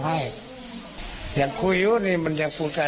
กินด้วยลองด้วยคิดเห็นเขา